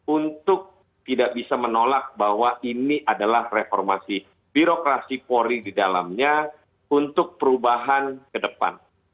untuk tidak bisa menolak bahwa ini adalah reformasi birokrasi polri di dalamnya untuk perubahan ke depan